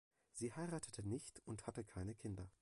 Sie heiratete nicht und hatte keine Kinder.